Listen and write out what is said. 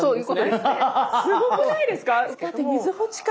すごくないですか？